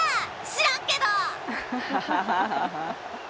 しらんけど！